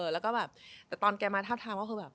แล้วก็แบบแต่ตอนแกมาทาบทาบว่า